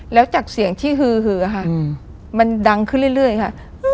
แล้วจากเสียงที่ฮือฮืออ่ะค่ะมันดังขึ้นเรื่อยเรื่อยค่ะ